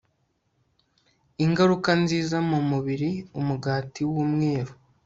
ingaruka nziza mu mubiri Umugati wumweru